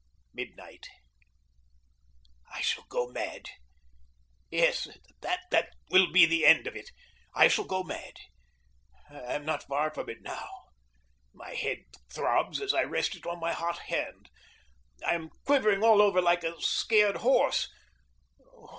Midnight. I shall go mad. Yes, that will be the end of it. I shall go mad. I am not far from it now. My head throbs as I rest it on my hot hand. I am quivering all over like a scared horse.